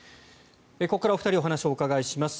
ここからお二人にお話をお伺いします。